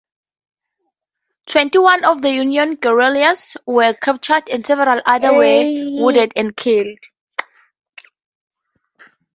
Twenty-one of the union guerrillas were captured and several others were wounded and killed.